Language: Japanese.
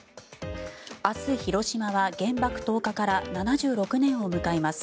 明日、広島は原爆投下から７６年を迎えます。